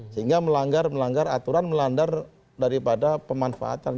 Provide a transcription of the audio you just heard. sehingga melanggar melanggar aturan melanggar daripada pemanfaatan